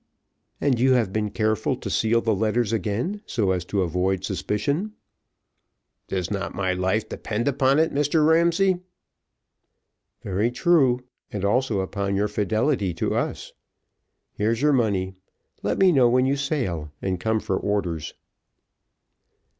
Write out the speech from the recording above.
"And you have been careful to seal the letters again, so as to avoid suspicion?" "Does not my life depend upon it, Mr Ramsay?" "Very true, and also upon your fidelity to us. Here's your money. Let me know when you sail, and come for orders."